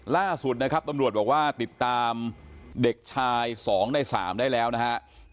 ล่าสุดนะครับตำรวจบอกว่าติดตามเด็กชาย๒ใน๓ได้แล้วนะครับ